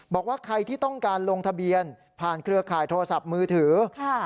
บอกว่าใครที่ต้องการลงทะเบียนผ่านเครือข่ายโทรศัพท์มือถือ